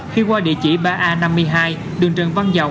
khi qua địa chỉ ba a năm mươi hai đường trăng vân dầu